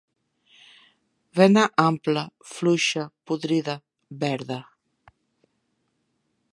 Vena ampla, fluixa, podrida, verda.